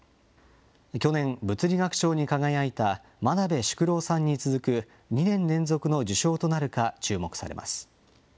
去年、物理学賞に輝いた真鍋淑郎さんに続く、２年連続の受賞となるか注目されます。